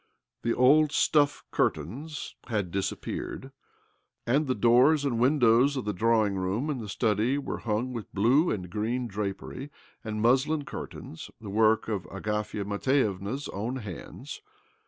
The old stuff curtains had dis appeared, and the doors and windows of the drawing room and the study were hung with blue and green drapery and muslin curtains —the work of Agafia Matvievna's own hands.